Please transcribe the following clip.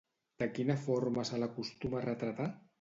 De quina forma se l'acostuma a retratar?